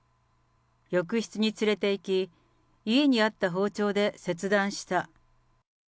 浴室に連れていき、家にあった包丁で切断した。